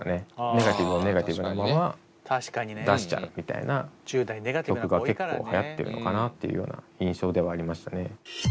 ネガティブをネガティブのまま出しちゃうみたいな曲が結構はやってるのかなっていうような印象ではありましたね。